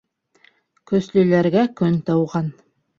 Көслөләргә көн тыуған